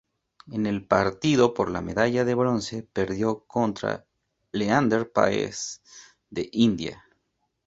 En el partido por la medalla de Bronce perdió contra Leander Paes de India.